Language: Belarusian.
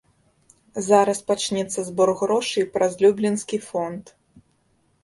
Зараз пачнецца збор грошай праз люблінскі фонд.